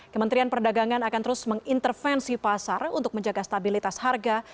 kementerian perdagangan akan terus mengintervensi pasar untuk menjaga stabilitas harga